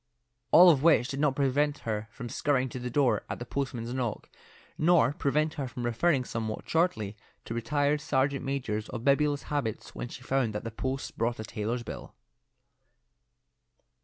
All of which did not prevent her from scurrying to the door at the postman's knock, nor prevent her from referring somewhat shortly to retired sergeant majors of bibulous habits when she found that the post brought a tailor's bill.